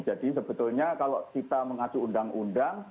jadi sebetulnya kalau kita mengacu undang undang